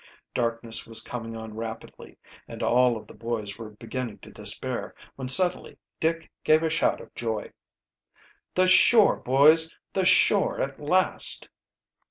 Darkness was coming on rapidly, and all of the boys were beginning to despair when suddenly Dick gave a shout of joy. "The shore, boys! The shore at last!"